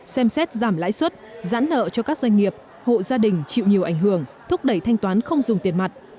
xem xét giảm lãi suất giãn nợ cho các doanh nghiệp hộ gia đình chịu nhiều ảnh hưởng thúc đẩy thanh toán không dùng tiền mặt